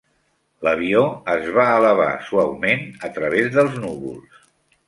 L'avió es va elevar suaument a través dels núvols.